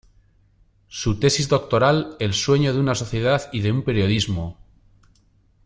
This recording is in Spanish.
Su tesis doctoral "El sueño de una sociedad y de un periodismo.